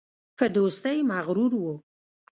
په دوستۍ مغرور وو.